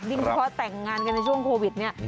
ดินเพราะแต่งงานกันในช่วงโควิดนี่